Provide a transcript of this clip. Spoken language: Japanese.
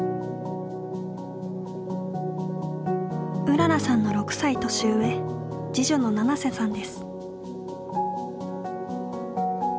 うららさんの６歳年上次女の七瀬さんです。